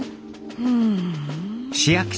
うん。